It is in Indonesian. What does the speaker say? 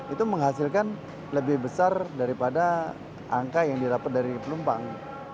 itu menghasilkan lebih besar daripada angka yang didapat dari penumpang